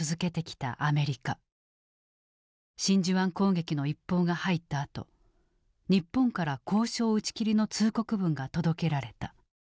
真珠湾攻撃の一報が入ったあと日本から交渉打ち切りの通告文が届けられた。